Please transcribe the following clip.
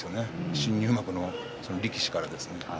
新入幕の力士から。